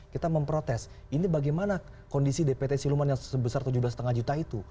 kita memprotes ini bagaimana kondisi dpt siluman yang sebesar tujuh belas lima juta itu